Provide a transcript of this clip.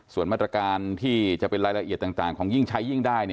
ส่วนมาตรการที่จะเป็นรายละเอียดต่างของยิ่งใช้ยิ่งได้